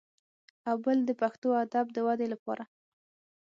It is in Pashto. او بل د پښتو ادب د ودې لپاره